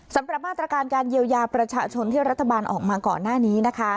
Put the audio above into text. สำหรับมาตรการการเยียวยาประชาชนที่รัฐบาลออกมาก่อนหน้านี้นะคะ